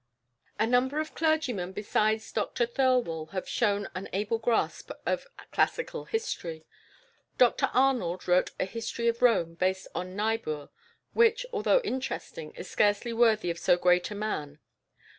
A number of clergymen besides Dr Thirlwall have shown an able grasp of classical history. Dr Arnold wrote a "History of Rome," based on Niebuhr, which, although interesting, is scarcely worthy of so great a man.